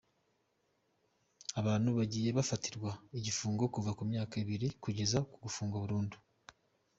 Abandi bagiye bakatirwa igufungo kuva ku myaka ibiri kugera ku gufungwa burundu.